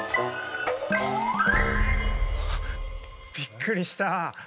はっびっくりした。